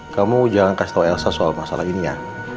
kamu jangan kasih tahu elsa soal masalah ini ya